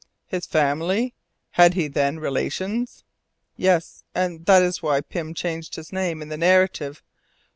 "His family! Had he then relations?" "Yes and that is why Pym changed his name in the narrative.